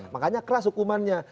makanya keras hukumannya